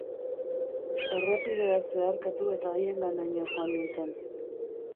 Errepidea zeharkatu eta haienganaino joan nintzen.